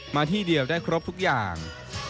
ที่เดียวได้ครบทุกอย่าง